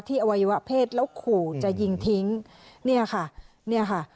อวัยวะเพศแล้วขู่จะยิงทิ้งเนี่ยค่ะเนี่ยค่ะ